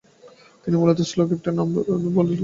তিনি মূলতঃ slow left arm orthodox bowling করতেন।